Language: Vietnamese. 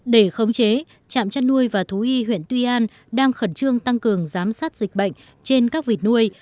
để khống chế trạm chăn nuôi và thú y huyện tuy an đang khẩn trương tăng cường giám sát dịch bệnh trên các vịt nuôi